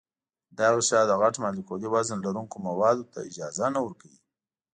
دا غشا د غټ مالیکولي وزن لرونکو موادو ته اجازه نه ورکوي.